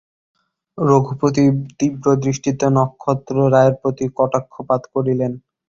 রঘুপতি তীব্রদৃষ্টিতে নক্ষত্ররায়ের প্রতি কটাক্ষপাত করিলেন।